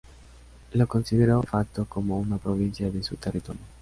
La consideró "de facto" como una provincia de su territorio.